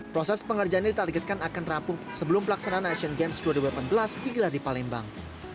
proses pengerjaan ini ditargetkan akan terampung sebelum pelaksanaan asian games dua ribu delapan belas di giladipalembang